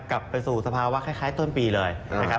กลับไปสู่สภาวะคล้ายต้นปีเลยนะครับ